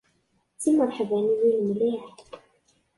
D timreḥbaniyin mliḥ.